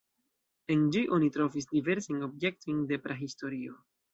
En ĝi oni trovis diversajn objektojn de prahistorio.